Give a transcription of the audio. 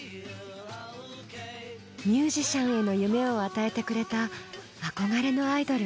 ミュージシャンへの夢を与えてくれた憧れのアイドル。